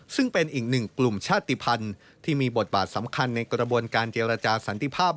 ซึ่งเป็นอีกหนึ่งกลุ่มชาติภัณฑ์ที่มีบทบาทสำคัญในกระบวนการเจรจาสันติภาพ